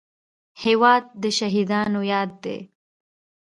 هېواد د شهیدانو یاد دی.